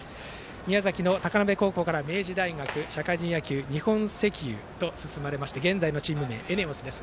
宮崎の高鍋高校から明治大学社会人野球、日本石油に進まれ現在のチーム名はＥＮＥＯＳです。